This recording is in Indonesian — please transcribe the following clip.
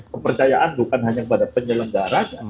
pempercayaan bukan hanya pada penyelenggaraan